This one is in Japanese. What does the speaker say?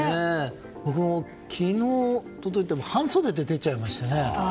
僕も昨日、一昨日と半袖で出ちゃいましたね。